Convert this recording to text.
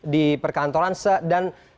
di perkantoran dan